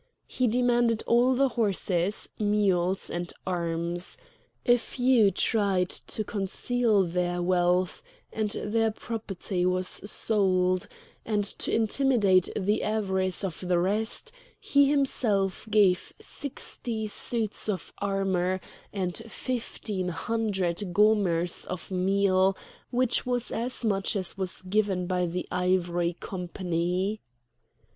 He demanded all the horses, mules, and arms. A few tried to conceal their wealth, and their property was sold; and, to intimidate the avarice of the rest, he himself gave sixty suits of armour, and fifteen hundred gomers of meal, which was as much as was given by the Ivory Company.